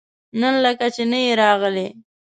نن لکه چې نه يې راغلی؟